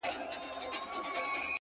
هڅه د ناکامۍ درملنه ده